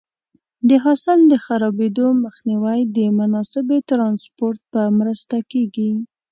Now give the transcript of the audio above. د حاصل د خرابېدو مخنیوی د مناسبې ټرانسپورټ په مرسته کېږي.